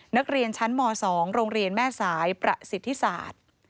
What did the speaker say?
นักเรียนชั้นม๒โรงเรียนแม่สายประสิทธิศาสตร์